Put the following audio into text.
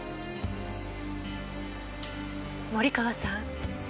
森川さん